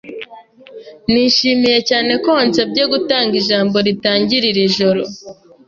Nishimiye cyane ko wansabye gutanga ijambo ritangiza iri joro.